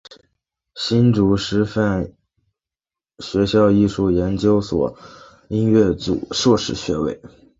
新竹师范学校艺术研究所音乐组硕士学位。